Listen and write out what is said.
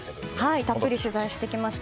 たっぷり取材してきました。